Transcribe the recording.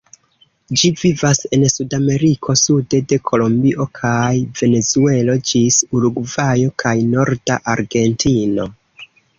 Ĝi vivas en Sudameriko, sude de Kolombio kaj Venezuelo ĝis Urugvajo kaj norda Argentino.